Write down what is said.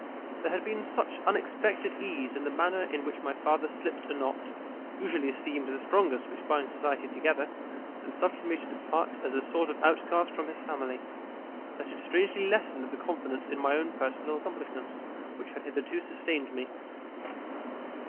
There had been such unexpected ease in the manner in which my father slipt a knot, usually esteemed the strongest which binds society together, and suffered me to depart as a sort of outcast from his family, that it strangely lessened the confidence in my own personal accomplishments, which had hitherto sustained me.